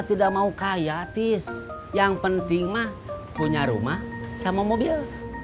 saya mau kaya tis yang penting mah punya rumah sama mobil